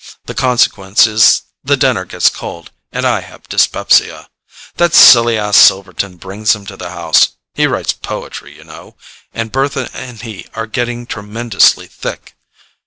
The consequence is the dinner gets cold, and I have dyspepsia. That silly ass Silverton brings them to the house—he writes poetry, you know, and Bertha and he are getting tremendously thick.